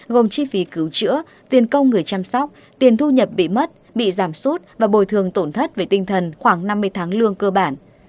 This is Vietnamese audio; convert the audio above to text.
gồm chi phí cứu chữa tiền công người chăm sóc tiền thu nhập bị mất bị giảm sút và bồi thường tổn thất về tinh thần khoảng năm mươi tháng lương cơ bản